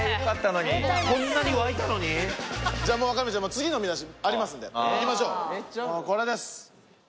次の見出しありますのでいきましょうこれです。